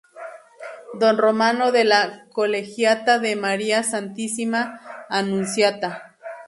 Don Romano de la Colegiata de Maria Santissima Annunziata.